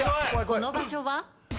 この場所は？